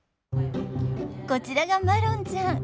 こちらがマロンちゃん。